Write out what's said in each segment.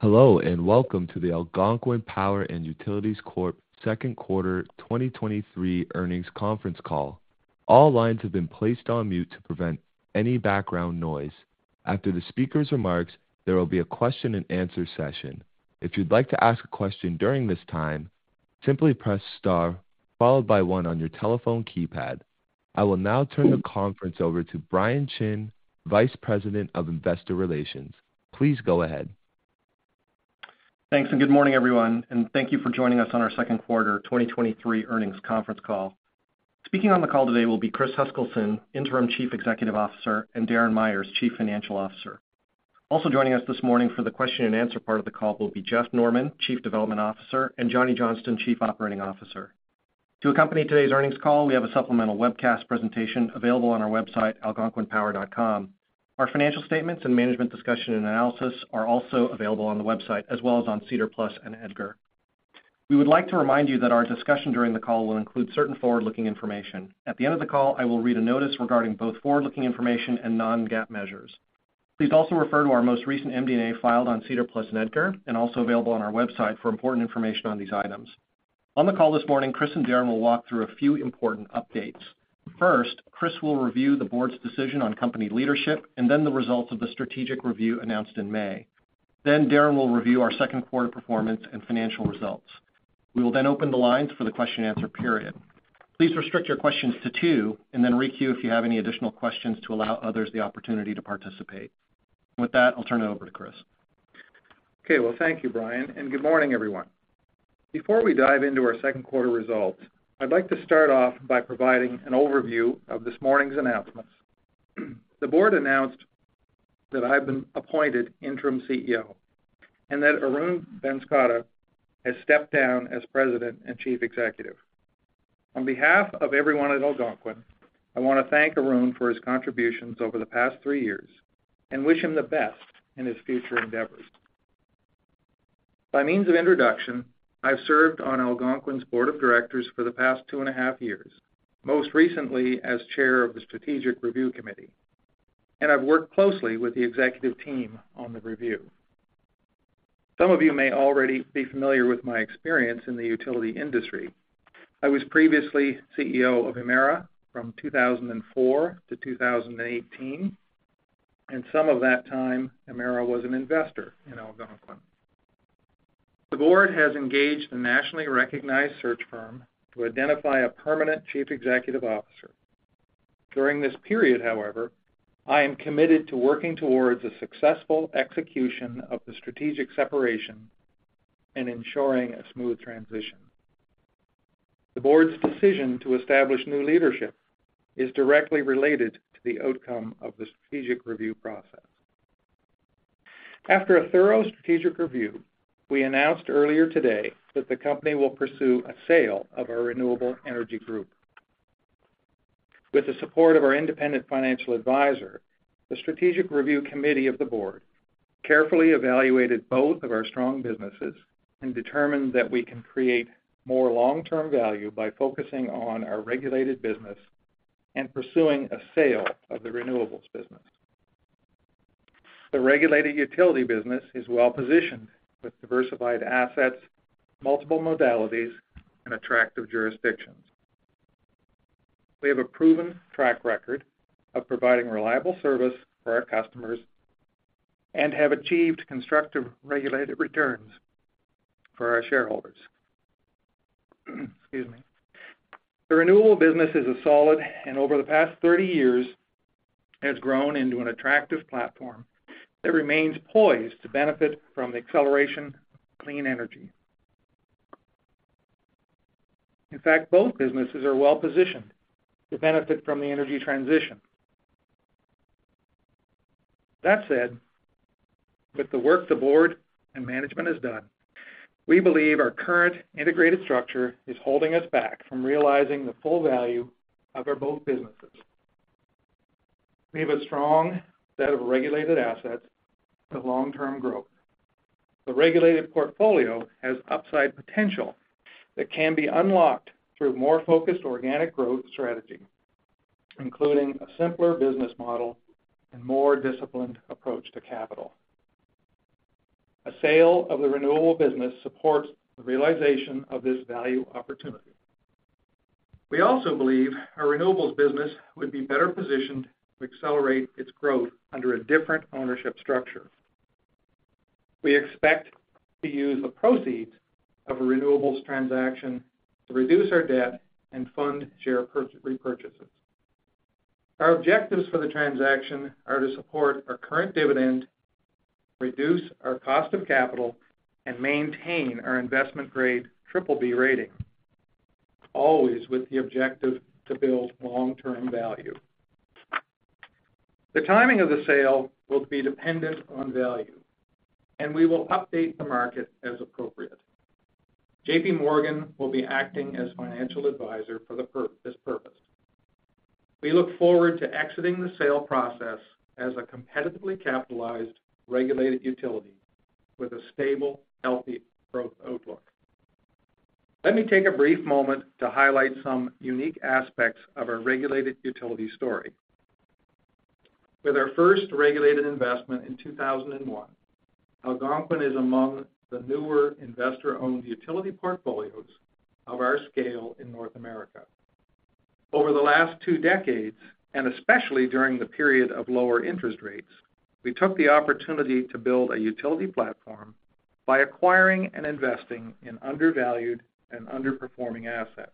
Hello, welcome to the Algonquin Power & Utilities Corp Second Quarter 2023 Earnings Conference Call. All lines have been placed on mute to prevent any background noise. After the speaker's remarks, there will be a question-and-answer session. If you'd like to ask a question during this time, simply press Star followed by one on your telephone keypad. I will now turn the conference over to Brian Chin, Vice President of Investor Relations. Please go ahead. Thanks, good morning, everyone, and thank you for joining us on our second quarter 2023 earnings conference call. Speaking on the call today will be Chris Huskerson, Interim Chief Executive Officer, and Darren Myers, Chief Financial Officer. Also joining us this morning for the question-and-answer part of the call will be Jeff Norman, Chief Development Officer, and Johnny Johnston, Chief Operating Officer. To accompany today's earnings call, we have a supplemental webcast presentation available on our website, algonquinpower.com. Our financial statements and management discussion and analysis are also available on the website, as well as on SEDAR+ and EDGAR. We would like to remind you that our discussion during the call will include certain forward-looking information. At the end of the call, I will read a notice regarding both forward-looking information and non-GAAP measures. Please also refer to our most recent MD&A filed on SEDAR+ and EDGAR. Also available on our website for important information on these items. On the call this morning, Chris and Darren will walk through a few important updates. First, Chris will review the board's decision on company leadership and then the results of the strategic review announced in May. Darren will review our second quarter performance and financial results. We will then open the lines for the question and answer period. Please restrict your questions to 2 and then requeue if you have any additional questions to allow others the opportunity to participate. With that, I'll turn it over to Chris. Okay, well, thank you, Brian. Good morning, everyone. Before we dive into our second quarter results, I'd like to start off by providing an overview of this morning's announcements. The board announced that I've been appointed interim CEO and that Arun Banskota has stepped down as President and Chief Executive. On behalf of everyone at Algonquin, I want to thank Arun for his contributions over the past three years. Wish him the best in his future endeavors. By means of introduction, I've served on Algonquin's Board of Directors for the past two and a half years, most recently as Chair of the Strategic Review Committee. I've worked closely with the executive team on the review. Some of you may already be familiar with my experience in the utility industry. I was previously CEO of Emera from 2004 to 2018, and some of that time, Emera was an investor in Algonquin. The board has engaged a nationally recognized search firm to identify a permanent Chief Executive Officer. During this period, however, I am committed to working towards a successful execution of the strategic separation and ensuring a smooth transition. The board's decision to establish new leadership is directly related to the outcome of the strategic review process. After a thorough strategic review, we announced earlier today that the company will pursue a sale of our Renewable Energy Group. With the support of our independent financial advisor, the Strategic Review Committee of the board carefully evaluated both of our strong businesses and determined that we can create more long-term value by focusing on our regulated business and pursuing a sale of the renewables business. The regulated utility business is well-positioned with diversified assets, multiple modalities, and attractive jurisdictions. We have a proven track record of providing reliable service for our customers and have achieved constructive regulated returns for our shareholders. Excuse me. The renewable business is a solid, and over the past 30 years, has grown into an attractive platform that remains poised to benefit from the acceleration of clean energy. In fact, both businesses are well-positioned to benefit from the energy transition. That said, with the work the board and management has done, we believe our current integrated structure is holding us back from realizing the full value of our both businesses. We have a strong set of regulated assets for long-term growth. The regulated portfolio has upside potential that can be unlocked through more focused organic growth strategy, including a simpler business model and more disciplined approach to capital. A sale of the renewable business supports the realization of this value opportunity. We also believe our renewables business would be better positioned to accelerate its growth under a different ownership structure. We expect to use the proceeds of a renewables transaction to reduce our debt and fund share repurchases. Our objectives for the transaction are to support our current dividend, reduce our cost of capital, and maintain our investment-grade BBB rating, always with the objective to build long-term value. The timing of the sale will be dependent on value, and we will update the market as appropriate. JPMorgan will be acting as financial advisor for this purpose. We look forward to exiting the sale process as a competitively capitalized, regulated utility with a stable, healthy growth outlook. Let me take a brief moment to highlight some unique aspects of our regulated utility story. With our first regulated investment in 2001, Algonquin is among the newer investor-owned utility portfolios of our scale in North America. Over the last 2 decades, and especially during the period of lower interest rates, we took the opportunity to build a utility platform by acquiring and investing in undervalued and underperforming assets.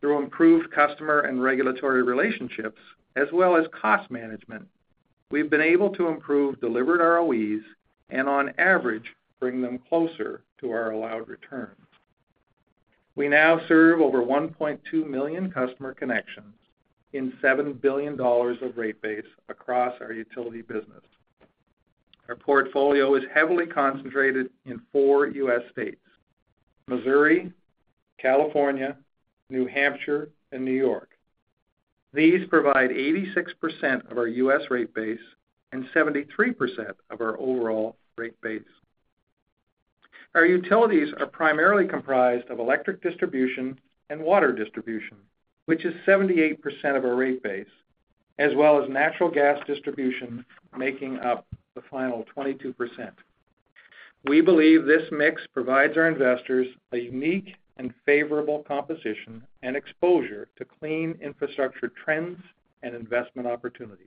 Through improved customer and regulatory relationships, as well as cost management, we've been able to improve delivered ROEs and, on average, bring them closer to our allowed returns. We now serve over 1.2 million customer connections in $7 billion of rate base across our utility business. Our portfolio is heavily concentrated in 4 U.S. states: Missouri, California, New Hampshire, and New York. These provide 86% of our U.S. rate base and 73% of our overall rate base. Our utilities are primarily comprised of electric distribution and water distribution, which is 78% of our rate base, as well as natural gas distribution, making up the final 22%. We believe this mix provides our investors a unique and favorable composition and exposure to clean infrastructure trends and investment opportunities.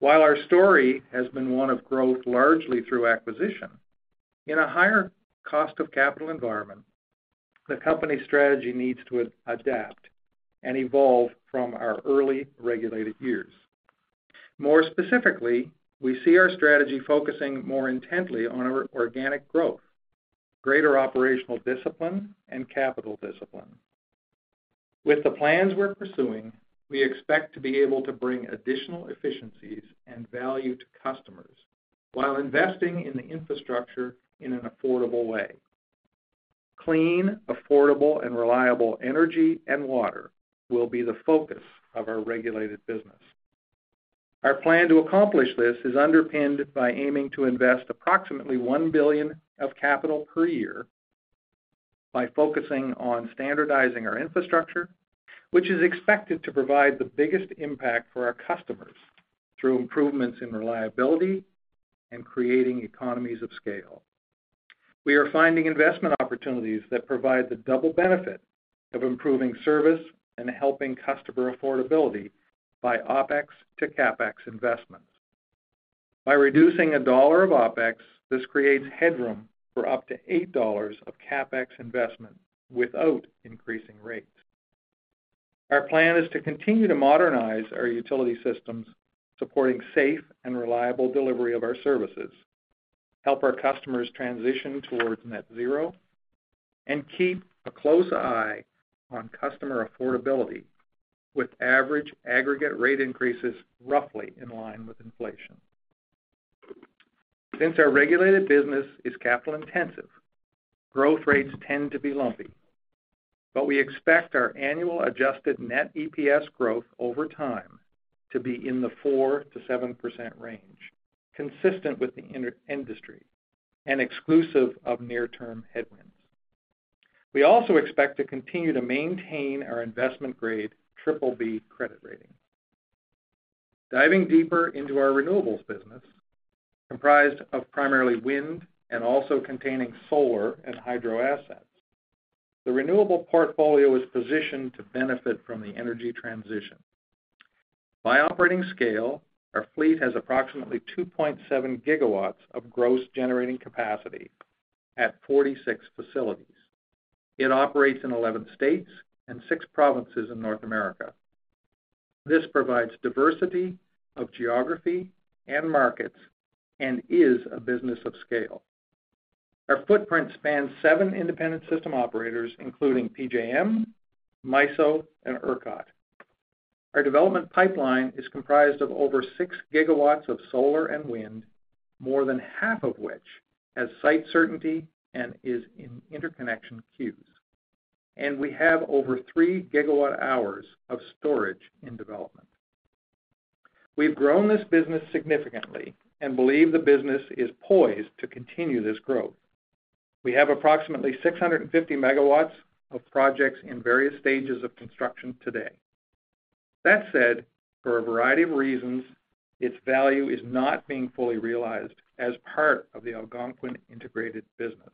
While our story has been one of growth, largely through acquisition, in a higher cost of capital environment, the company strategy needs to adapt and evolve from our early regulated years. More specifically, we see our strategy focusing more intently on our organic growth, greater operational discipline, and capital discipline. With the plans we're pursuing, we expect to be able to bring additional efficiencies and value to customers while investing in the infrastructure in an affordable way. Clean, affordable, and reliable energy and water will be the focus of our regulated business. Our plan to accomplish this is underpinned by aiming to invest approximately $1 billion of capital per year by focusing on standardizing our infrastructure, which is expected to provide the biggest impact for our customers through improvements in reliability and creating economies of scale. We are finding investment opportunities that provide the double benefit of improving service and helping customer affordability by OpEx to CapEx investments. By reducing $1 of OpEx, this creates headroom for up to $8 of CapEx investment without increasing rates. Our plan is to continue to modernize our utility systems, supporting safe and reliable delivery of our services, help our customers transition towards net zero, and keep a close eye on customer affordability with average aggregate rate increases roughly in line with inflation. Our regulated business is capital-intensive, growth rates tend to be lumpy, but we expect our annual Adjusted Net EPS growth over time to be in the 4%-7% range, consistent with the industry and exclusive of near-term headwinds. We also expect to continue to maintain our investment-grade BBB credit rating. Diving deeper into our renewables business, comprised of primarily wind and also containing solar and hydro assets, the renewable portfolio is positioned to benefit from the energy transition. By operating scale, our fleet has approximately 2.7 GW of gross generating capacity at 46 facilities. It operates in 11 states and 6 provinces in North America. This provides diversity of geography and markets and is a business of scale. Our footprint spans 7 independent system operators, including PJM, MISO, and ERCOT. Our development pipeline is comprised of over 6 GW of solar and wind, more than half of which has site certainty and is in interconnection queues. We have over 3 GWh of storage in development. We've grown this business significantly and believe the business is poised to continue this growth. We have approximately 650 MW of projects in various stages of construction today. That said, for a variety of reasons, its value is not being fully realized as part of the Algonquin integrated business.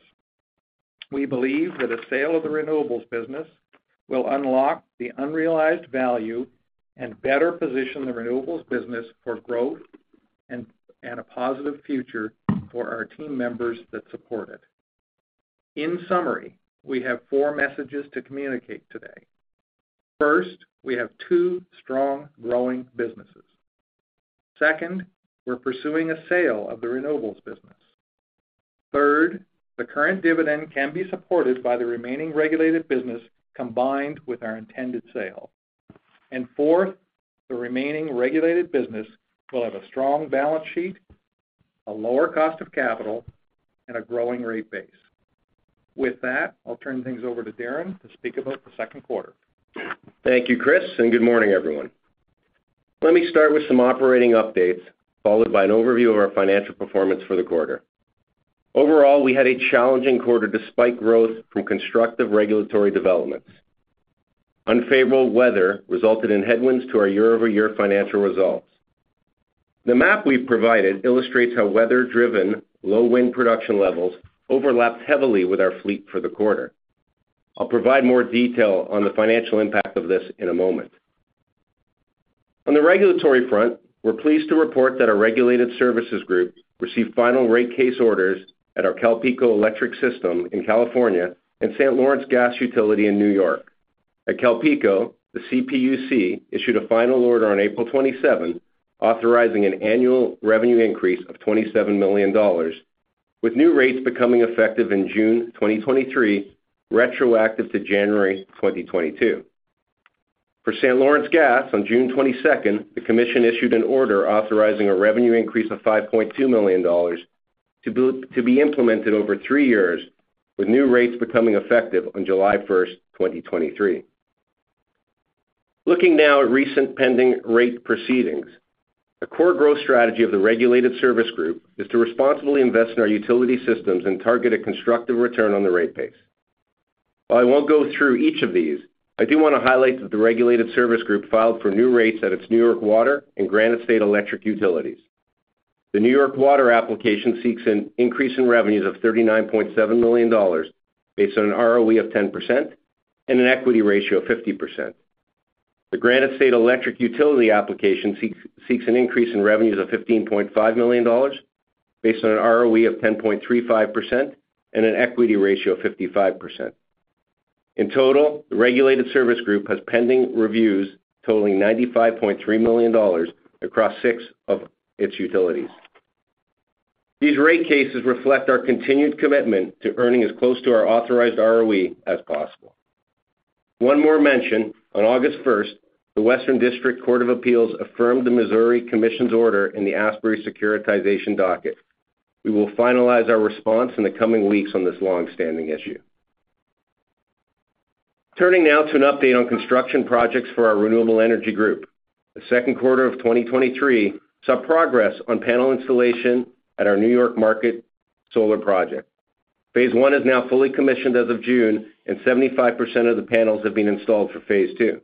We believe that a sale of the renewables business will unlock the unrealized value and better position the renewables business for growth and a positive future for our team members that support it. In summary, we have four messages to communicate today. First, we have two strong, growing businesses. Second, we're pursuing a sale of the renewables business. Third, the current dividend can be supported by the remaining regulated business combined with our intended sale. Fourth, the remaining regulated business will have a strong balance sheet, a lower cost of capital, and a growing rate base. With that, I'll turn things over to Darren to speak about the second quarter. Thank you, Chris, good morning, everyone. Let me start with some operating updates, followed by an overview of our financial performance for the quarter. Overall, we had a challenging quarter despite growth from constructive regulatory developments. Unfavorable weather resulted in headwinds to our year-over-year financial results. The map we've provided illustrates how weather-driven, low wind production levels overlapped heavily with our fleet for the quarter. I'll provide more detail on the financial impact of this in a moment. On the regulatory front, we're pleased to report that our Regulated Services Group received final rate case orders at our CalPeco Electric system in California and St. Lawrence Gas Utility in New York. At CalPeco, the CPUC issued a final order on April 27th, authorizing an annual revenue increase of $27 million, with new rates becoming effective in June 2023, retroactive to January 2022. For St. Lawrence Gas, on June 22, the commission issued an order authorizing a revenue increase of $5.2 million to be implemented over 3 years, with new rates becoming effective on July 1, 2023. Looking now at recent pending rate proceedings, a core growth strategy of the Regulated Services Group is to responsibly invest in our utility systems and target a constructive return on the rate base. While I won't go through each of these, I do want to highlight that the Regulated Services Group filed for new rates at its New York Water and Granite State Electric utilities. The New York Water application seeks an increase in revenues of $39.7 million, based on an ROE of 10% and an equity ratio of 50%. The Granite State Electric Utility application seeks an increase in revenues of $15.5 million, based on an ROE of 10.35% and an equity ratio of 55%. In total, the Regulated Services Group has pending reviews totaling $95.3 million across six of its utilities. These rate cases reflect our continued commitment to earning as close to our authorized ROE as possible. One more mention, on August 1st, the Western District Court of Appeals affirmed the Missouri Commission's order in the Asbury securitization docket. We will finalize our response in the coming weeks on this long-standing issue. Turning now to an update on construction projects for our Renewable Energy Group. The second quarter of 2023 saw progress on panel installation at our New York Market Solar project. Phase one is now fully commissioned as of June, and 75% of the panels have been installed for phase two.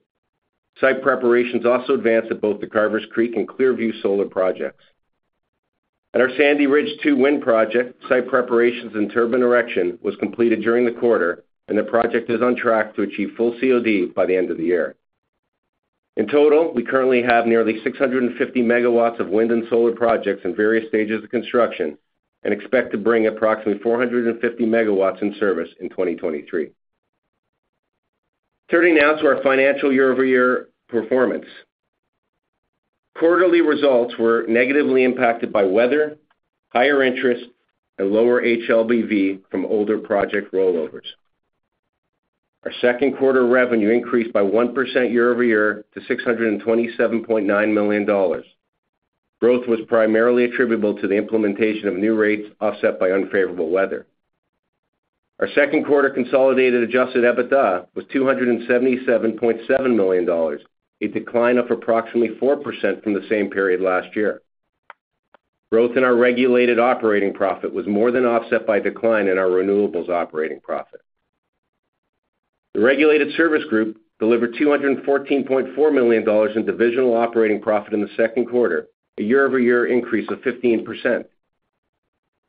Site preparations also advanced at both the Carvers Creek and Clearview Solar projects. At our Sandy Ridge Two wind project, site preparations and turbine erection was completed during the quarter, and the project is on track to achieve full COD by the end of the year. In total, we currently have nearly 650 megawatts of wind and solar projects in various stages of construction and expect to bring approximately 450 megawatts in service in 2023. Turning now to our financial year-over-year performance. Quarterly results were negatively impacted by weather, higher interest, and lower HLBV from older project rollovers. Our second quarter revenue increased by 1% year-over-year to $627.9 million. Growth was primarily attributable to the implementation of new rates, offset by unfavorable weather. Our second quarter consolidated Adjusted EBITDA was $277.7 million, a decline of approximately 4% from the same period last year. Growth in our regulated operating profit was more than offset by decline in our renewables operating profit. The Regulated Services Group delivered $214.4 million in Divisional Operating Profit in the second quarter, a year-over-year increase of 15%.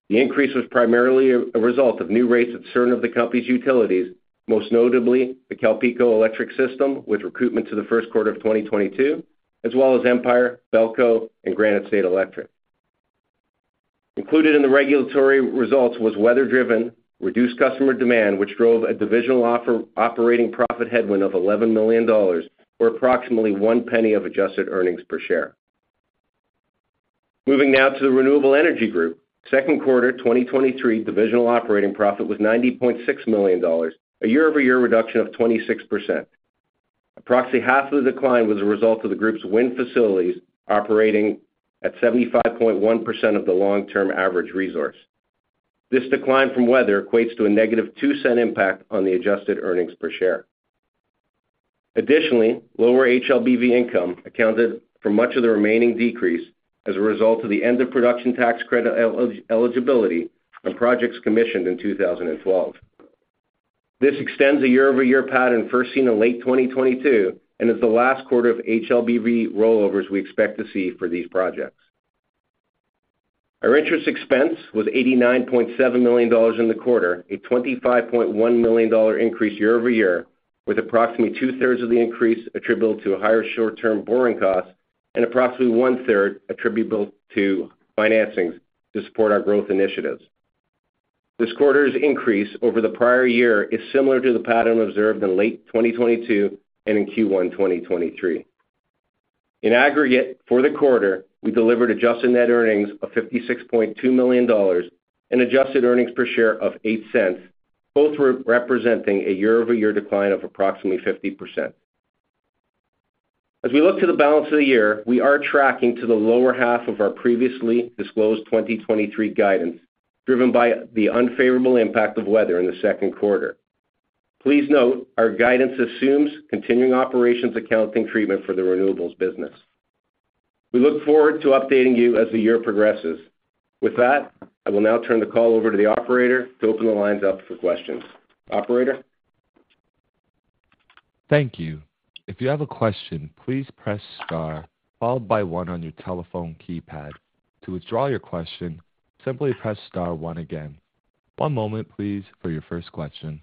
The increase was primarily a result of new rates at certain of the company's utilities, most notably the CalPeco Electric system, with recruitment to the first quarter of 2022, as well as Empire, Belco, and Granite State Electric. Included in the regulatory results was weather-driven, reduced customer demand, which drove a Divisional Operating Profit headwind of $11 million, or approximately $0.01 of adjusted earnings per share. Moving now to the Renewable Energy Group. Second quarter, 2023 Divisional Operating Profit was $90.6 million, a year-over-year reduction of 26%. Approximately half of the decline was a result of the group's wind facilities operating at 75.1% of the long-term average resource. This decline from weather equates to a negative $0.02 impact on the adjusted earnings per share. Additionally, lower HLBV income accounted for much of the remaining decrease as a result of the end of Production Tax Credit eligibility on projects commissioned in 2012. This extends a year-over-year pattern first seen in late 2022, and is the last quarter of HLBV rollovers we expect to see for these projects. Our interest expense was $89.7 million in the quarter, a $25.1 million increase year-over-year, with approximately two-thirds of the increase attributable to a higher short-term borrowing cost and approximately one-third attributable to financings to support our growth initiatives. This quarter's increase over the prior year is similar to the pattern observed in late 2022 and in Q1 2023. In aggregate, for the quarter, we delivered Adjusted Net Earnings of $56.2 million and Adjusted Earnings Per Share of $0.08, both representing a year-over-year decline of approximately 50%. As we look to the balance of the year, we are tracking to the lower half of our previously disclosed 2023 guidance, driven by the unfavorable impact of weather in the second quarter. Please note, our guidance assumes continuing operations accounting treatment for the renewables business. We look forward to updating you as the year progresses. With that, I will now turn the call over to the operator to open the lines up for questions. Operator? Thank you. If you have a question, please press star, followed by one on your telephone keypad. To withdraw your question, simply press star one again. One moment, please, for your first question.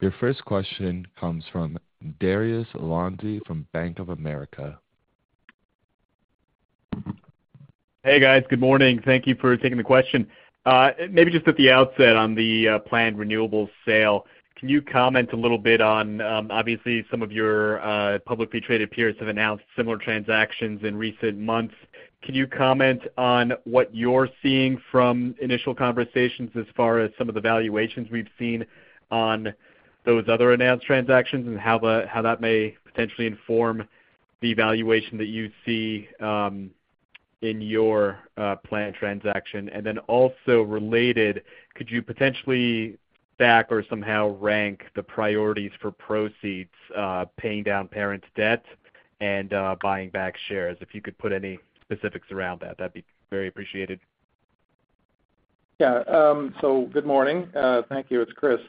Your first question comes from Dariusz Lozny from Bank of America. Hey, guys. Good morning. Thank you for taking the question. Maybe just at the outset on the planned renewables sale, can you comment a little bit on, obviously, some of your publicly traded peers have announced similar transactions in recent months. Can you comment on what you're seeing from initial conversations as far as some of the valuations we've seen on those other announced transactions, and how that may potentially inform the valuation that you see, in your planned transaction? Then also related, could you potentially stack or somehow rank the priorities for proceeds, paying down parent debt and buying back shares? If you could put any specifics around that, that'd be very appreciated. Yeah. Good morning. Thank you. It's Chris.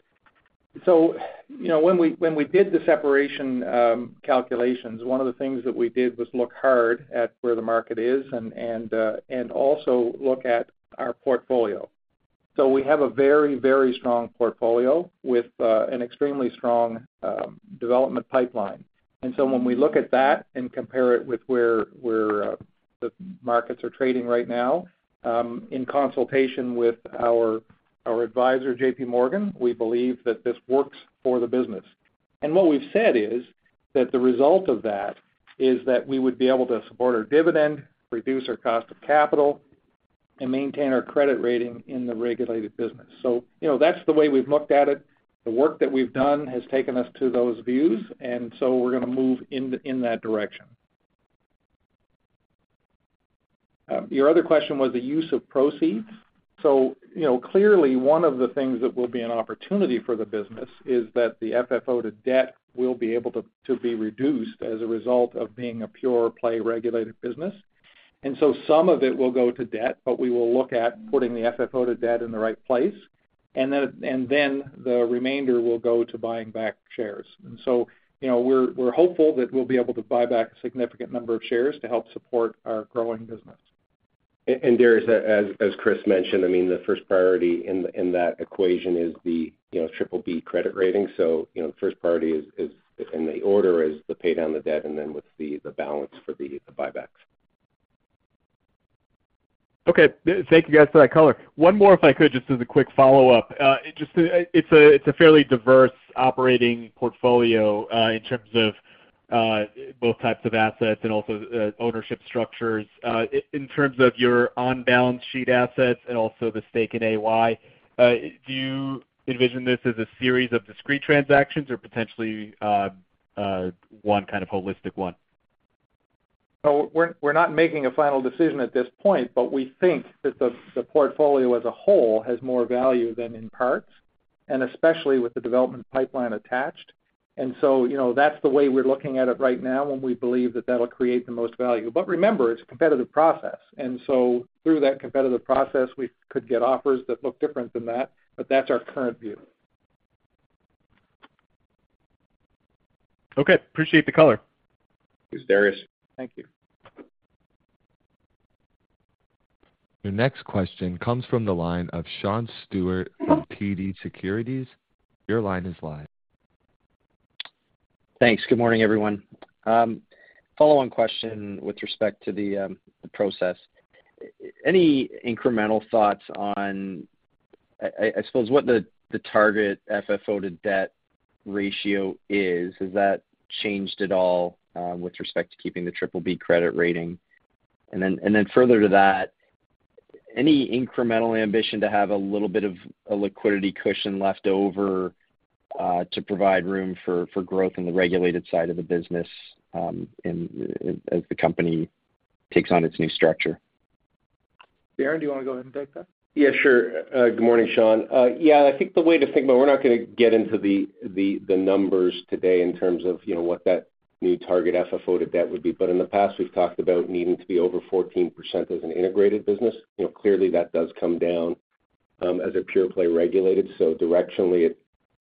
You know, when we, when we did the separation, calculations, one of the things that we did was look hard at where the market is and also look at our portfolio. We have a very, very strong portfolio with an extremely strong development pipeline. And so when we look at that and compare it with where the markets are trading right now, in consultation with our, our advisor, JPMorgan, we believe that this works for the business. What we've said is, that the result of that, is that we would be able to support our dividend, reduce our cost of capital, and maintain our credit rating in the regulated business. You know, that's the way we've looked at it. The work that we've done has taken us to those views, and so we're going to move in, in that direction. Your other question was the use of proceeds. You know, clearly, one of the things that will be an opportunity for the business is that the FFO to Debt will be able to, to be reduced as a result of being a pure-play regulated business. So some of it will go to debt, but we will look at putting the FFO to Debt in the right place, and then the remainder will go to buying back shares. So, you know, we're, we're hopeful that we'll be able to buy back a significant number of shares to help support our growing business. Dariusz, as Chris mentioned, I mean, the first priority in that equation is the, you know, BBB credit rating. You know, first priority is, and the order is the pay down the debt, and then with the balance for the buybacks. Okay. Thank you, guys, for that color. One more, if I could, just as a quick follow-up. Just to... It's a, it's a fairly diverse operating portfolio, in terms of, both types of assets and also, ownership structures. In terms of your on-balance sheet assets and also the stake in AY, do you envision this as a series of discrete transactions or potentially, one kind of holistic one? We're, we're not making a final decision at this point, but we think that the, the portfolio as a whole has more value than in parts, and especially with the development pipeline attached. You know, that's the way we're looking at it right now, and we believe that that'll create the most value. Remember, it's a competitive process, and so through that competitive process, we could get offers that look different than that, but that's our current view. Okay. Appreciate the color. Thanks, Dariusz. Thank you. Your next question comes from the line of Sean Steuart from TD Securities. Your line is live. Thanks. Good morning, everyone. Follow-on question with respect to the process. Any incremental thoughts on what the target FFO to Debt ratio is? Has that changed at all with respect to keeping the BBB credit rating? Further to that, any incremental ambition to have a little bit of a liquidity cushion left over to provide room for growth in the regulated side of the business as the company takes on its new structure? Darren, do you want to go ahead and take that? Yeah, sure. Good morning, Sean. Yeah, I think the way to think about, we're not going to get into the numbers today in terms of, you know, what that new target FFO to Debt would be. In the past, we've talked about needing to be over 14% as an integrated business. You know, clearly, that does come down as a pure-play regulated. Directionally,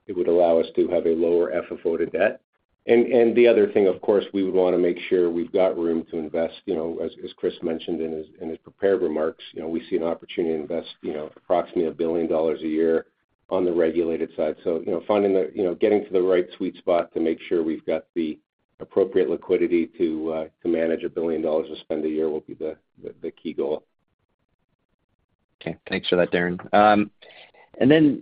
it would allow us to have a lower FFO to Debt. The other thing, of course, we would want to make sure we've got room to invest. You know, as Chris mentioned in his prepared remarks, you know, we see an opportunity to invest, you know, approximately $1 billion a year on the regulated side. You know, finding the, you know, getting to the right sweet spot to make sure we've got the appropriate liquidity to manage $1 billion of spend a year will be the, the, the key goal. Okay. Thanks for that, Darren. Then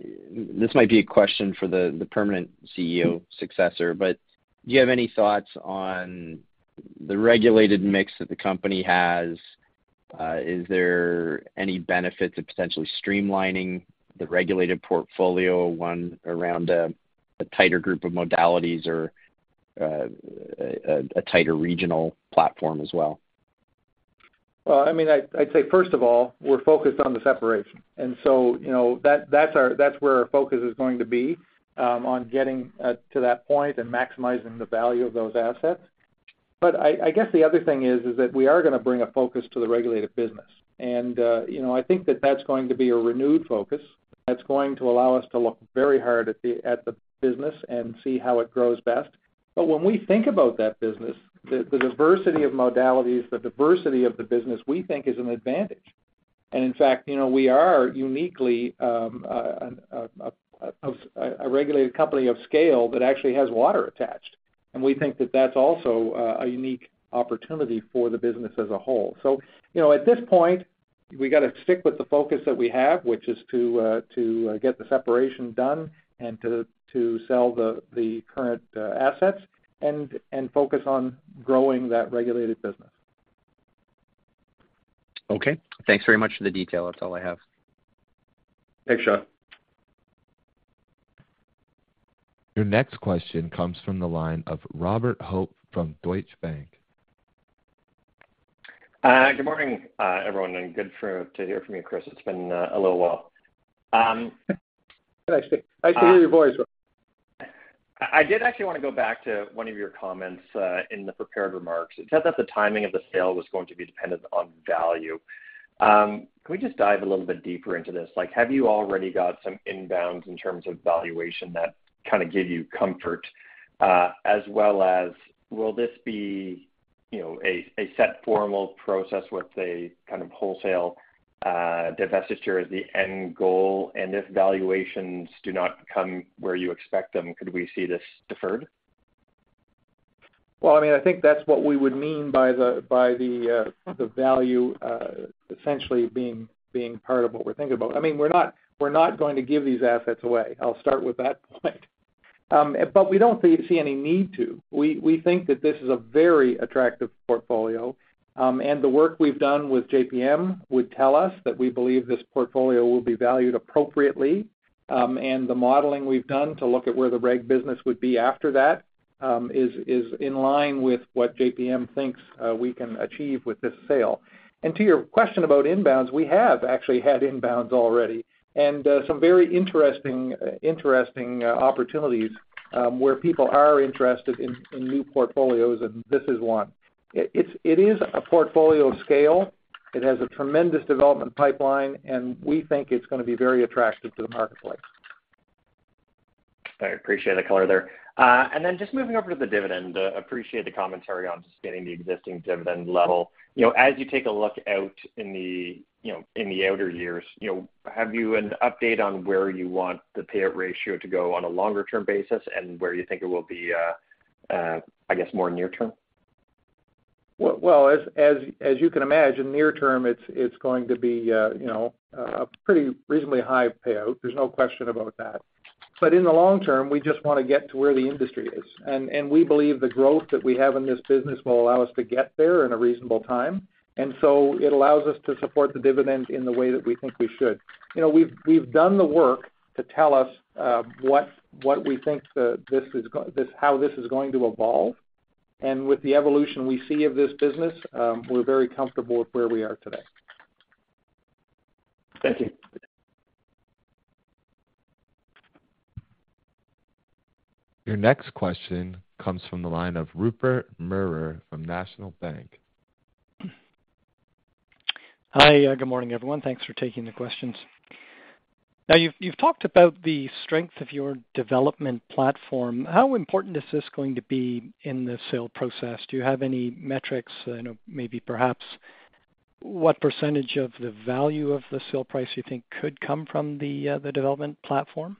this might be a question for the permanent CEO successor, but do you have any thoughts on the regulated mix that the company has? Is there any benefit to potentially streamlining the regulated portfolio, one around a tighter group of modalities, or-... a, a tighter regional platform as well? Well, I mean, I'd, I'd say, first of all, we're focused on the separation. You know, that, that's our- that's where our focus is going to be, on getting to that point and maximizing the value of those assets. I, I guess the other thing is, is that we are gonna bring a focus to the regulated business. You know, I think that that's going to be a renewed focus. That's going to allow us to look very hard at the, at the business and see how it grows best. When we think about that business, the, the diversity of modalities, the diversity of the business, we think is an advantage. In fact, you know, we are uniquely a regulated company of scale that actually has water attached, and we think that that's also a unique opportunity for the business as a whole. You know, at this point, we gotta stick with the focus that we have, which is to get the separation done and to sell the current assets, and focus on growing that regulated business. Okay. Thanks very much for the detail. That's all I have. Thanks, Sean. Your next question comes from the line of Robert Hope from Scotiabank. Good morning, everyone, good to hear from you, Chris. It's been a little while. Nice to, nice to hear your voice. I, I did actually want to go back to one of your comments in the prepared remarks. It said that the timing of the sale was going to be dependent on value. Can we just dive a little bit deeper into this? Like, have you already got some inbounds in terms of valuation that kind of give you comfort, as well as will this be, you know, a, a set formal process with a kind of wholesale divestiture as the end goal, and if valuations do not come where you expect them, could we see this deferred? Well, I mean, I think that's what we would mean by the, by the, the value, essentially being, being part of what we're thinking about. I mean, we're not, we're not going to give these assets away. I'll start with that point. We don't see, see any need to. We, we think that this is a very attractive portfolio, and the work we've done with JPM would tell us that we believe this portfolio will be valued appropriately. The modeling we've done to look at where the reg business would be after that, is, is in line with what JPM thinks, we can achieve with this sale. To your question about inbounds, we have actually had inbounds already, and some very interesting, interesting, opportunities, where people are interested in, in new portfolios, and this is one. It is a portfolio of scale. It has a tremendous development pipeline, and we think it's gonna be very attractive to the marketplace. I appreciate the color there. Then just moving over to the dividend, appreciate the commentary on just getting the existing dividend level. You know, as you take a look out in the, you know, in the outer years, you know, have you an update on where you want the payout ratio to go on a longer-term basis and where you think it will be, I guess, more near term? Well, well, as, as, as you can imagine, near term, it's, it's going to be, you know, a pretty reasonably high payout. There's no question about that. In the long term, we just want to get to where the industry is, and, and we believe the growth that we have in this business will allow us to get there in a reasonable time. It allows us to support the dividend in the way that we think we should. You know, we've, we've done the work to tell us, what, what we think the, this is how this is going to evolve. With the evolution we see of this business, we're very comfortable with where we are today. Thank you. Your next question comes from the line of Rupert Merer from National Bank. Hi. Good morning, everyone. Thanks for taking the questions. Now, you've, you've talked about the strength of your development platform. How important is this going to be in the sale process? Do you have any metrics, you know, maybe perhaps what percentage of the value of the sale price you think could come from the development platform?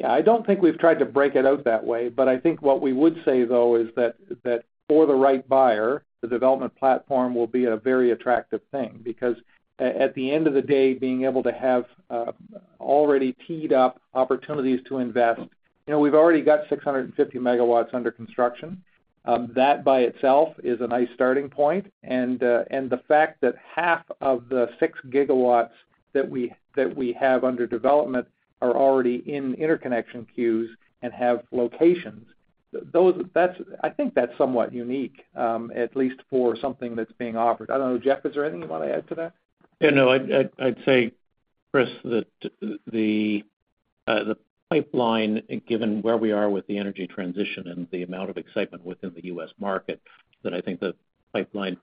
Yeah, I don't think we've tried to break it out that way, but I think what we would say, though, is that, that for the right buyer, the development platform will be a very attractive thing. Because at the end of the day, being able to have, already teed up opportunities to invest... You know, we've already got 650 MW under construction. That by itself is a nice starting point, and, and the fact that half of the 6 GW that we, that we have under development are already in interconnection queues and have locations, that's, I think that's somewhat unique, at least for something that's being offered. I don't know, Jeff, is there anything you want to add to that? Yeah, no, I'd, I'd, I'd say, Chris, that the pipeline, given where we are with the energy transition and the amount of excitement within the U.S. market, that I think the pipeline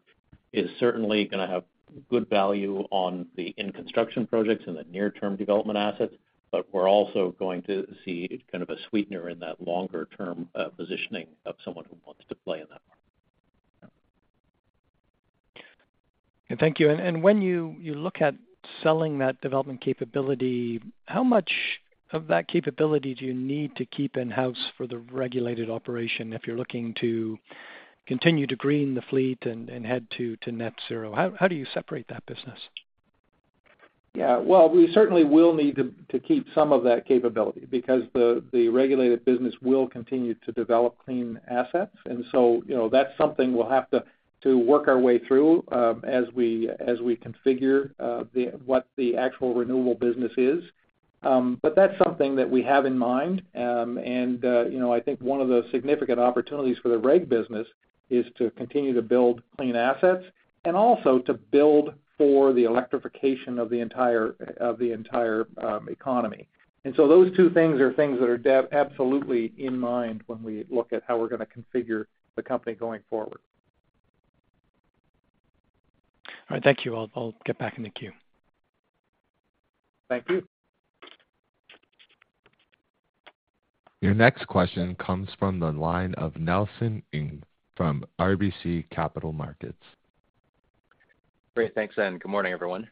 is certainly gonna have good value on the in-construction projects and the near-term development assets, but we're also going to see kind of a sweetener in that longer-term positioning of someone who wants to play in that market. Thank you. When you look at selling that development capability, how much of that capability do you need to keep in-house for the regulated operation if you're looking to continue to green the fleet and head to net zero? How do you separate that business? Yeah. Well, we certainly will need to, to keep some of that capability because the, the regulated business will continue to develop clean assets. You know, that's something we'll have to, to work our way through as we, as we configure what the actual renewable business is. That's something that we have in mind. You know, I think one of the significant opportunities for the reg business is to continue to build clean assets and also to build for the electrification of the entire, of the entire economy. Those two things are things that are absolutely in mind when we look at how we're gonna configure the company going forward. All right, thank you. I'll, I'll get back in the queue. Thank you. Your next question comes from the line of Nelson Ng from RBC Capital Markets. Great. Thanks, good morning, everyone.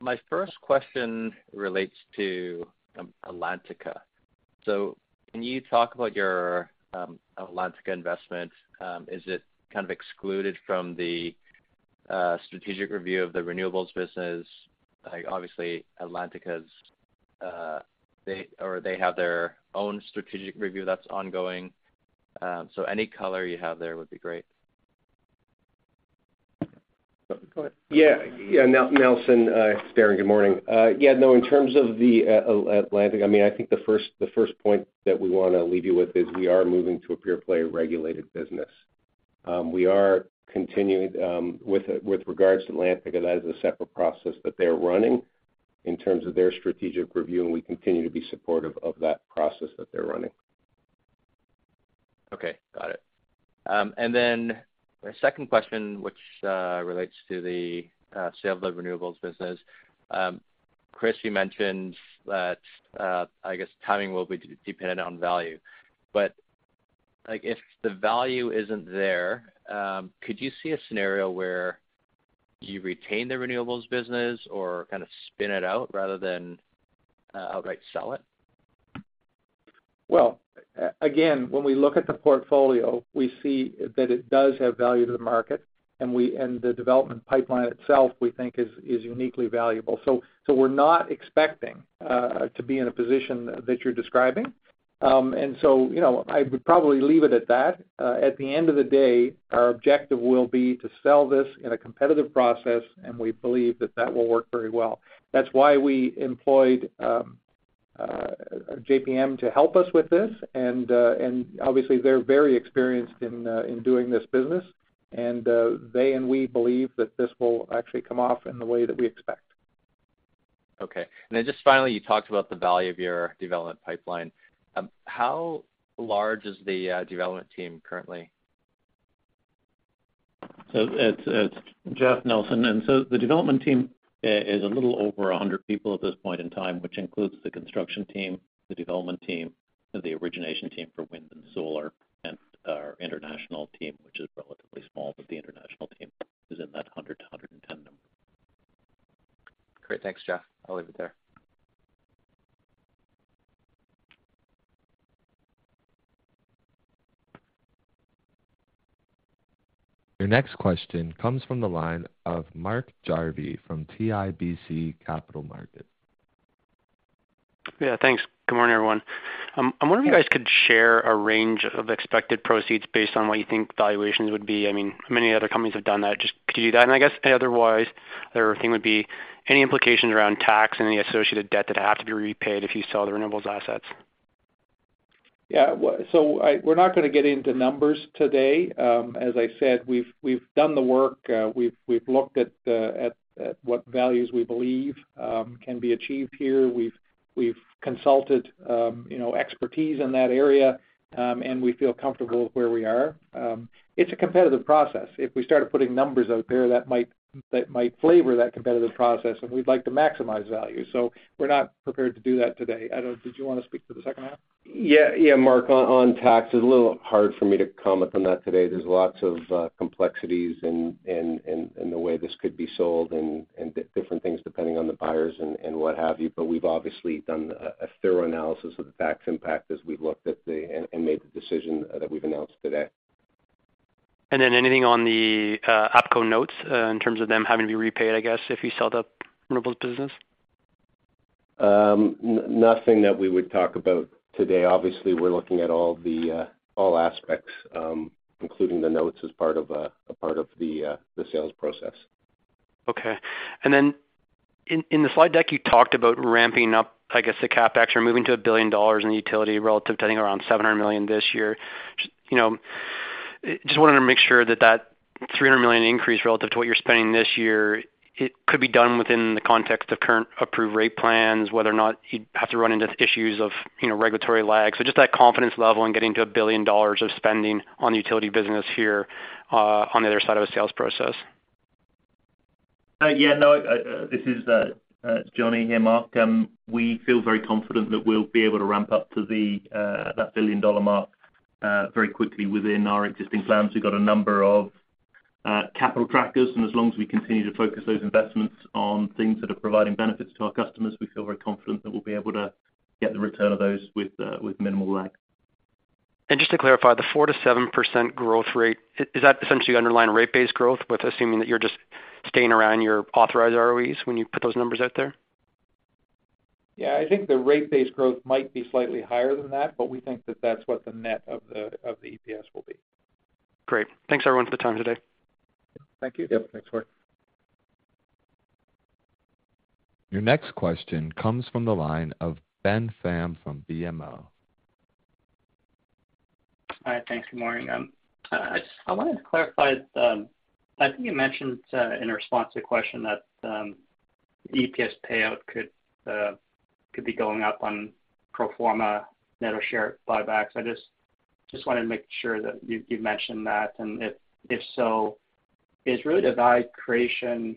My first question relates to Atlantica. Can you talk about your Atlantica investment? Is it kind of excluded from the strategic review of the Renewable Energy Group? Like, obviously, Atlantica's, they have their own strategic review that's ongoing. Any color you have there would be great. Go ahead. Yeah. Yeah, Nelson, it's Darren. Good morning. Yeah, no, in terms of the Atlantica, I mean, I think the first, the first point that we wanna leave you with is we are moving to a pure play regulated business. We are continuing with, with regards to Atlantica, that is a separate process that they're running in terms of their strategic review, and we continue to be supportive of that process that they're running. Okay, got it. My second question, which relates to the sale of the renewables business. Chris, you mentioned that I guess timing will be dependent on value. Like, if the value isn't there, could you see a scenario where you retain the renewables business or kind of spin it out rather than outright sell it? Well, again, when we look at the portfolio, we see that it does have value to the market, and the development pipeline itself, we think, is, is uniquely valuable. So we're not expecting to be in a position that you're describing. And so, you know, I would probably leave it at that. At the end of the day, our objective will be to sell this in a competitive process, and we believe that that will work very well. That's why we employed JPM to help us with this. And obviously, they're very experienced in doing this business. And they and we believe that this will actually come off in the way that we expect. Okay. Just finally, you talked about the value of your development pipeline. How large is the development team currently? It's, it's Jeff, Nelson. The development team is a little over 100 people at this point in time, which includes the construction team, the development team, and the origination team for wind and solar, and our international team, which is relatively small, but the international team is in that 100 to 110 number. Great. Thanks, Jeff. I'll leave it there. Your next question comes from the line of Mark Jarvi from CIBC Capital Markets. Yeah, thanks. Good morning, everyone. I wonder if you guys could share a range of expected proceeds based on what you think valuations would be? I mean, many other companies have done that. Just could you do that? I guess otherwise, the other thing would be any implications around tax and any associated debt that have to be repaid if you sell the renewables assets? Yeah, well, we're not gonna get into numbers today. As I said, we've, we've done the work, we've, we've looked at the, at what values we believe can be achieved here. We've, we've consulted, you know, expertise in that area, and we feel comfortable with where we are. It's a competitive process. If we started putting numbers out there, that might, that might flavor that competitive process, and we'd like to maximize value. We're not prepared to do that today. Did you want to speak to the second half? Yeah. Yeah, Mark, on, on tax, it's a little hard for me to comment on that today. There's lots of complexities in the way this could be sold and different things depending on the buyers and what have you. We've obviously done a thorough analysis of the tax impact as we've looked at the... And made the decision that we've announced today. Then anything on the OpCo notes, in terms of them having to be repaid, I guess, if you sell the renewables business? Nothing that we would talk about today. Obviously, we're looking at all the all aspects, including the notes as part of a part of the the sales process. Okay. In, in the slide deck, you talked about ramping up, I guess, the CapEx or moving to $1 billion in utility relative to, I think, around $700 million this year. You know, just wanted to make sure that that $300 million increase relative to what you're spending this year, it could be done within the context of current approved rate plans, whether or not you'd have to run into issues of, you know, regulatory lag. Just that confidence level in getting to $1 billion of spending on the utility business here, on the other side of a sales process. Yeah, no, this is Johnny here, Mark. We feel very confident that we'll be able to ramp up to the that billion-dollar mark very quickly within our existing plans. We've got a number of capital trackers, and as long as we continue to focus those investments on things that are providing benefits to our customers, we feel very confident that we'll be able to get the return of those with minimal lag. Just to clarify, the 4%-7% growth rate, is that essentially underlying rate-based growth, with assuming that you're just staying around your authorized ROEs when you put those numbers out there? Yeah. I think the rate-based growth might be slightly higher than that, but we think that that's what the net of the, of the EPS will be. Great. Thanks everyone for the time today. Thank you. Yep, thanks, Troy. Your next question comes from the line of Ben Pham from BMO. Hi, thanks. Good morning. I, I wanted to clarify, I think you mentioned in response to a question that EPS payout could could be going up on pro forma net or share buybacks. I just, just wanted to make sure that you, you mentioned that. If, if so, is really the value creation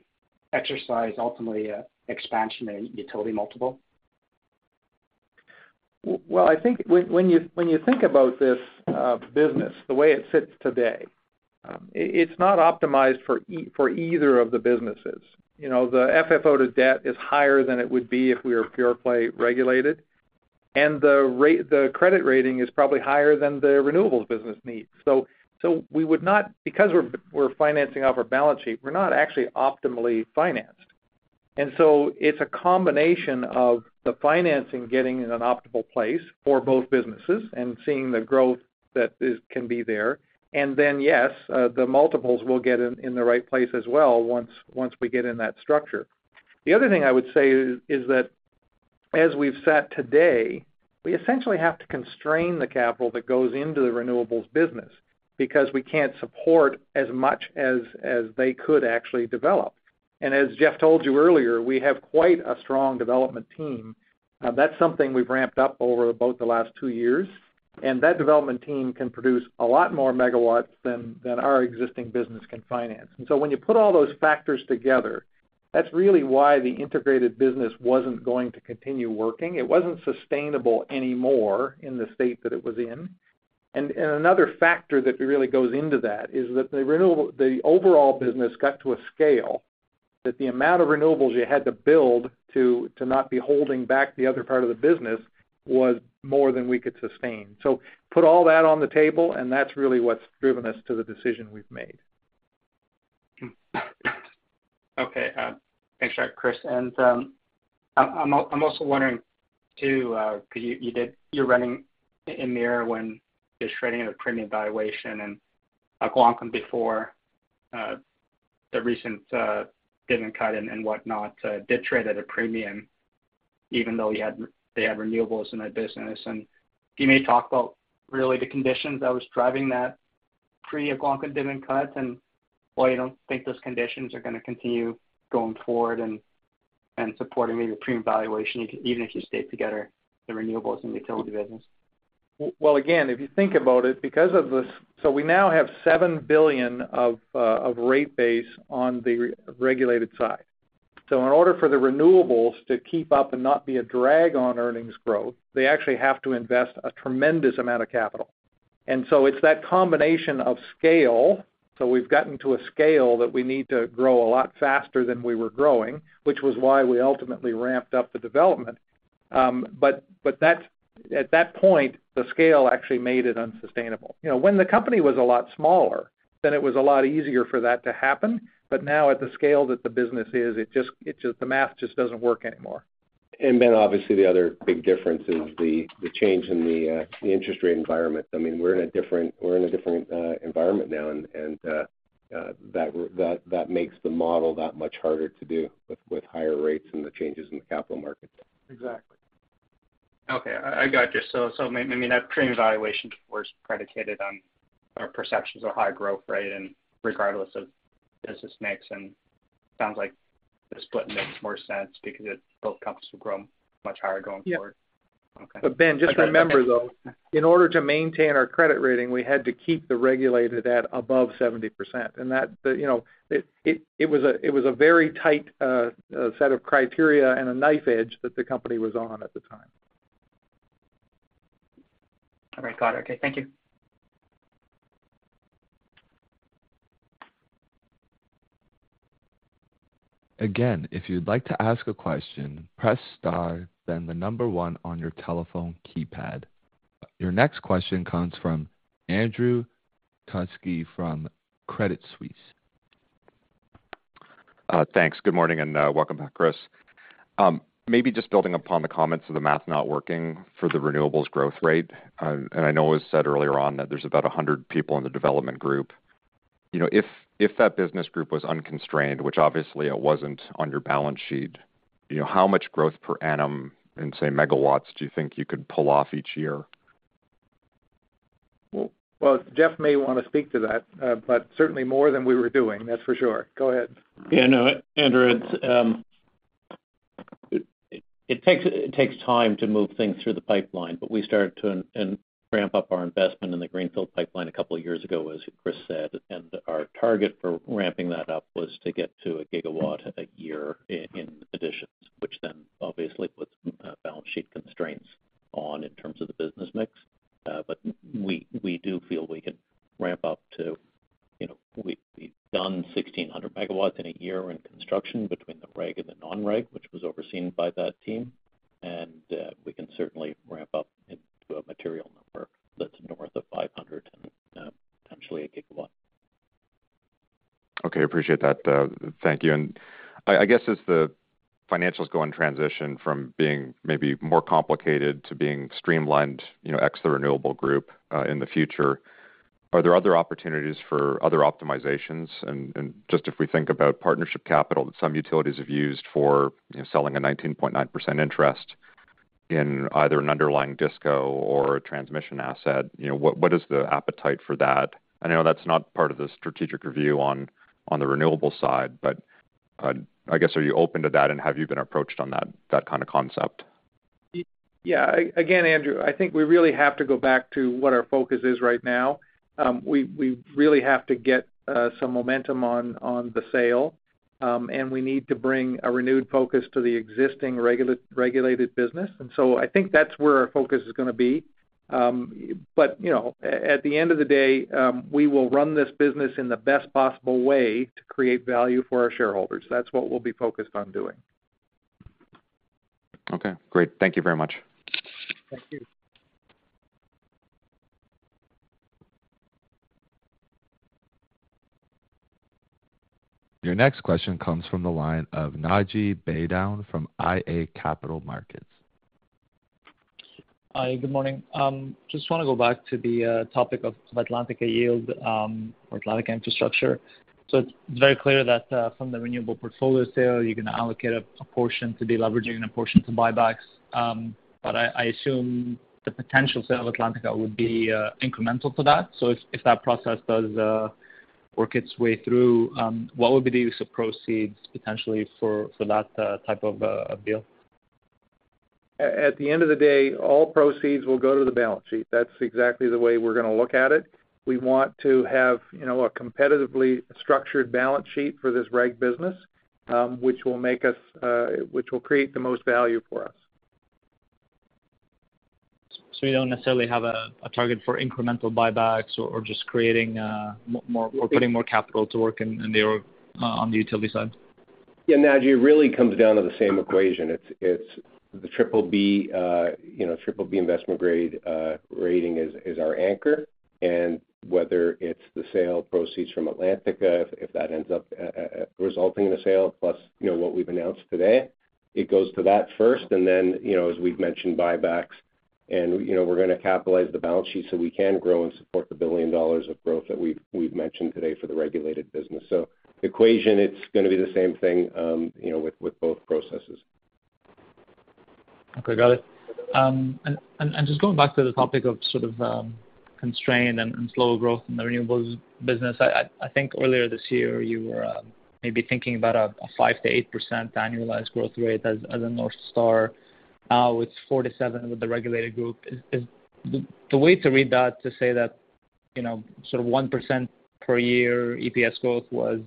exercise ultimately a expansion in utility multiple? Well, I think when, when you, when you think about this business, the way it sits today, it's not optimized for either of the businesses. You know, the FFO to debt is higher than it would be if we were pure-play regulated, and the credit rating is probably higher than the renewables business needs. We would not because we're financing off our balance sheet, we're not actually optimally financed. It's a combination of the financing getting in an optimal place for both businesses and seeing the growth that is, can be there. Yes, the multiples will get in the right place as well, once we get in that structure. The other thing I would say is, is that as we've set today, we essentially have to constrain the capital that goes into the renewables business, because we can't support as much as, as they could actually develop. Jeff told you earlier, we have quite a strong development team. That's something we've ramped up over about the last two years, and that development team can produce a lot more megawatts than, than our existing business can finance. When you put all those factors together, that's really why the integrated business wasn't going to continue working. It wasn't sustainable anymore in the state that it was in. Another factor that really goes into that is that the overall business got to a scale, that the amount of renewables you had to build to, to not be holding back the other part of the business, was more than we could sustain. Put all that on the table, and that's really what's driven us to the decision we've made. Okay, thanks, Chris. I'm also wondering, too, because you, you did -- you're running Emera when just trading at a premium valuation and Algonquin before the recent dividend cut and, and whatnot, did trade at a premium, even though you had, they had renewables in their business. Can you talk about really the conditions that was driving that pre-Algonquin dividend cut, and why you don't think those conditions are gonna continue going forward and, and supporting the premium valuation, even if you stayed together, the renewables and utility business? Well, again, if you think about it, because of this, we now have $7 billion of rate base on the regulated side. In order for the renewables to keep up and not be a drag on earnings growth, they actually have to invest a tremendous amount of capital. It's that combination of scale, we've gotten to a scale that we need to grow a lot faster than we were growing, which was why we ultimately ramped up the development. But that's at that point, the scale actually made it unsustainable. You know, when the company was a lot smaller, then it was a lot easier for that to happen. Now at the scale that the business is, it just the math just doesn't work anymore. Then, obviously, the other big difference is the, the change in the interest rate environment. I mean, we're in a different, we're in a different environment now, and, and, that, that makes the model that much harder to do with, with higher rates and the changes in the capital markets. Exactly. Okay, I got you. I mean, that premium valuation was predicated on our perceptions of high growth rate and regardless of business mix, sounds like the split makes more sense because it, both companies will grow much higher going forward. Yeah. Okay. Ben, just remember, though, in order to maintain our credit rating, we had to keep the regulated at above 70%, and that, the, you know, it, it, it was a, it was a very tight set of criteria and a knife edge that the company was on at the time. All right, got it. Okay, thank you. Again, if you'd like to ask a question, press Star, then 1 on your telephone keypad. Your next question comes from Andrew Kuske from Credit Suisse. Thanks. Good morning, and welcome back, Chris. Maybe just building upon the comments of the math not working for the renewables growth rate, and I know it was said earlier on that there's about 100 people in the development group. You know, if, if that business group was unconstrained, which obviously it wasn't on your balance sheet, you know, how much growth per annum in, say, megawatts, do you think you could pull off each year? Well, well, Jeff may want to speak to that, but certainly more than we were doing, that's for sure. Go ahead. Yeah, no, Andrew, it's, it takes, it takes time to move things through the pipeline, but we started to ramp up our investment in the greenfield pipeline a couple of years ago, as Chris said, and our target for ramping that up was to get to 1 gigawatt a year in additions, which then obviously puts balance sheet constraints on in terms of the business mix. We do feel we can ramp up to, you know, we've done 1,600 megawatts in a year in construction between the reg and the non-reg, which was overseen by that team. We can certainly ramp up into a material number that's north of 500 and potentially 1 gigawatt.... Okay, appreciate that. thank you. I, I guess as the financials go in transition from being maybe more complicated to being streamlined, you know, ex the Renewable Energy Group, in the future, are there other opportunities for other optimizations? Just if we think about partnership capital that some utilities have used for, you know, selling a 19.9% interest in either an underlying DISCO or a transmission asset, you know, what, what is the appetite for that? I know that's not part of the strategic review on, on the renewable side, but, I guess, are you open to that, and have you been approached on that, that kind of concept? Yeah, again, Andrew, I think we really have to go back to what our focus is right now. We, we really have to get some momentum on, on the sale, and we need to bring a renewed focus to the existing regulated business. So I think that's where our focus is gonna be. You know, at the end of the day, we will run this business in the best possible way to create value for our shareholders. That's what we'll be focused on doing. Okay, great. Thank you very much. Thank you. Your next question comes from the line of Naji Baydoun from IA Capital Markets. Hi, good morning. Just wanna go back to the topic of Atlantica Yield or Atlantica Infrastructure. It's very clear that from the renewable portfolio sale, you're gonna allocate a portion to deleveraging and a portion to buybacks. I, I assume the potential sale of Atlantica would be incremental to that. If, if that process does work its way through, what would be the use of proceeds potentially for that type of deal? At the end of the day, all proceeds will go to the balance sheet. That's exactly the way we're gonna look at it. We want to have, you know, a competitively structured balance sheet for this reg business, which will make us, Which will create the most value for us. you don't necessarily have a target for incremental buybacks or just creating more. Yeah. Putting more capital to work in, in the euro, on the utility side? Yeah, Naji, it really comes down to the same equation. It's, it's the BBB, you know, BBB investment grade rating is, is our anchor. Whether it's the sale proceeds from Atlantica, if, if that ends up resulting in a sale, plus, you know, what we've announced today, it goes to that first, then, you know, as we've mentioned, buybacks. You know, we're gonna capitalize the balance sheet so we can grow and support the $1 billion of growth that we've, we've mentioned today for the regulated business. The equation, it's gonna be the same thing, you know, with, with both processes. Okay, got it. Just going back to the topic of sort of, constraint and, slow growth in the renewables business. I, I, I think earlier this year, you were maybe thinking about a, a 5% to 8% annualized growth rate as, as a North Star. Now it's 4% to 7% with the regulated group. Is the way to read that to say that, you know, sort of 1% per year EPS growth was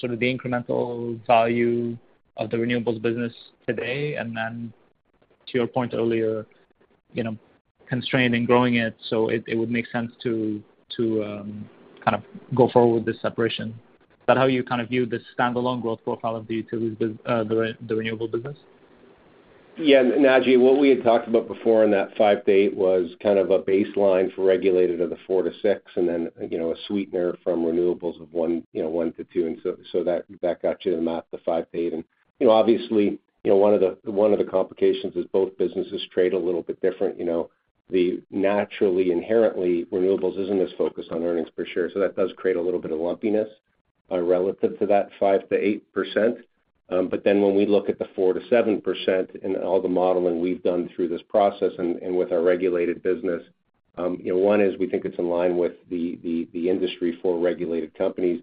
sort of the incremental value of the renewables business today, and then to your point earlier, you know, constrained in growing it, so it, it would make sense to, to, kind of go forward with this separation. Is that how you kind of view the standalone growth profile of the utilities bus- the re- the renewable business? Yeah, Naji, what we had talked about before in that 5-8 was kind of a baseline for regulated of the 4-6, then, you know, a sweetener from renewables of 1, you know, 1-2. So that, that got you to the math, the 5-8. You know, obviously, you know, one of the, one of the complications is both businesses trade a little bit different. You know, the naturally, inherently, renewables isn't as focused on earnings per share, so that does create a little bit of lumpiness, relative to that 5%-8%. When we look at the 4%-7% and all the modeling we've done through this process and, and with our regulated business, you know, one is we think it's in line with the, the, the industry for regulated companies.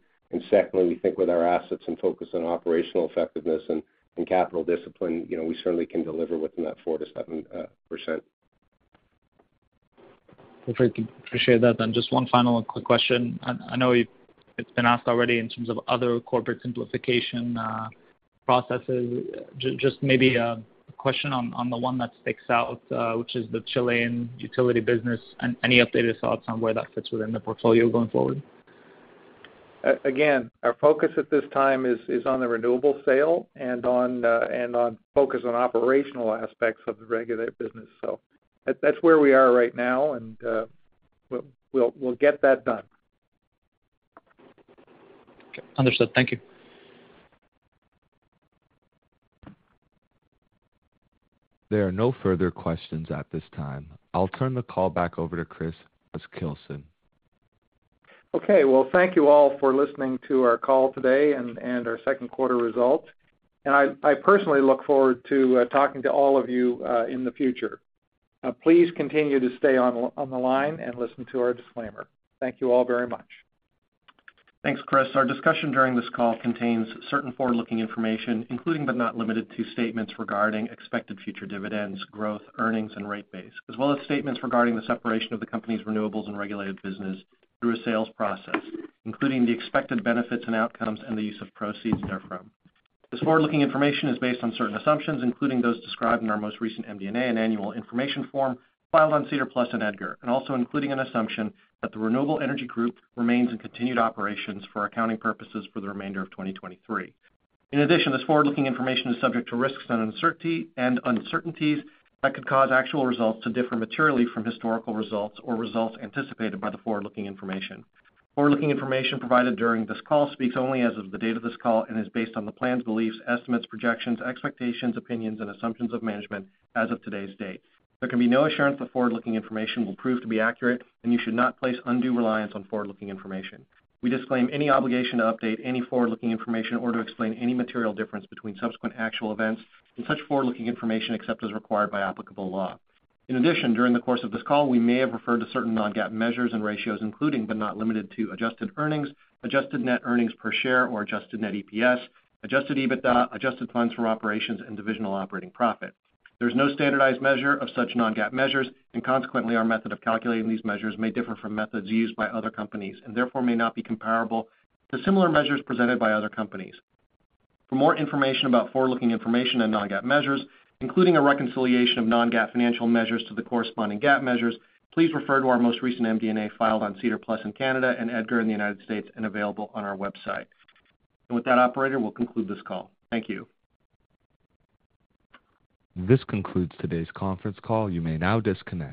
secondly, we think with our assets and focus on operational effectiveness and, and capital discipline, you know, we certainly can deliver within that 4%-7%. Great, appreciate that. Just one final quick question. I know you've it's been asked already in terms of other corporate simplification, processes. Just maybe, a question on, on the one that sticks out, which is the Chilean utility business, and any updated thoughts on where that fits within the portfolio going forward? Again, our focus at this time is, is on the renewable sale and on, and on focus on operational aspects of the regulated business. That's where we are right now, and, we'll, we'll, we'll get that done. Okay. Understood. Thank you. There are no further questions at this time. I'll turn the call back over to Chris Huskilson. Okay. Well, thank you all for listening to our call today and, and our second-quarter results. I, I personally look forward to talking to all of you in the future. Please continue to stay on, on the line and listen to our disclaimer. Thank you all very much. Thanks, Chris. Our discussion during this call contains certain forward-looking information, including but not limited to statements regarding expected future dividends, growth, earnings, and rate base, as well as statements regarding the separation of the company's renewables and regulated business through a sales process, including the expected benefits and outcomes and the use of proceeds therefrom. This forward-looking information is based on certain assumptions, including those described in our most recent MD&A and Annual Information Form filed on SEDAR+ and EDGAR, and also including an assumption that the Renewable Energy Group remains in continued operations for accounting purposes for the remainder of 2023. In addition, this forward-looking information is subject to risks and uncertainties that could cause actual results to differ materially from historical results or results anticipated by the forward-looking information. Forward-looking information provided during this call speaks only as of the date of this call and is based on the plans, beliefs, estimates, projections, expectations, opinions, and assumptions of management as of today's date. There can be no assurance that forward-looking information will prove to be accurate, and you should not place undue reliance on forward-looking information. We disclaim any obligation to update any forward-looking information or to explain any material difference between subsequent actual events and such forward-looking information, except as required by applicable law. In addition, during the course of this call, we may have referred to certain non-GAAP measures and ratios, including but not limited to adjusted earnings, adjusted net earnings per share or adjusted net EPS, Adjusted EBITDA, Adjusted Funds From Operations, and Divisional Operating Profit. There's no standardized measure of such non-GAAP measures, and consequently, our method of calculating these measures may differ from methods used by other companies and therefore may not be comparable to similar measures presented by other companies. For more information about forward-looking information and non-GAAP measures, including a reconciliation of non-GAAP financial measures to the corresponding GAAP measures, please refer to our most recent MD&A filed on SEDAR+ in Canada and EDGAR in the United States and available on our website. With that, operator, we'll conclude this call. Thank you. This concludes today's conference call. You may now disconnect.